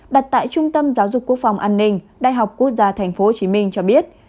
đặt tại trung tâm giáo dục quốc phòng an ninh đại học quốc gia tp hcm cho biết